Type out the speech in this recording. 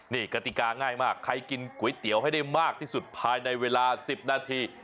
นี่กติกาง่ายมากใครกินก๋วยเตี๋ยวให้ได้มากที่สุดภายในเวลา๑๐นาที